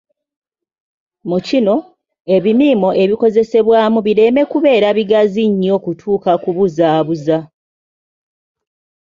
Mu kino, ebimiimo ebikozesebwamu bireme kubeera bigazi nnyo kutuuka ku kubuzaabuza.